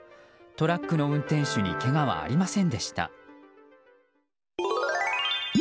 トラックの運転手にけがはありませんでした。